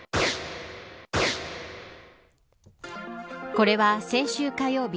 これは先週火曜日